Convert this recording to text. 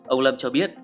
ông lâm cho biết